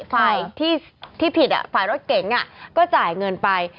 ฝ่ายที่ผิดฝ่ายรถเก๋งก็จ่ายเงินไป